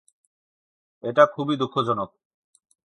এটা খুবই দুঃখজনক।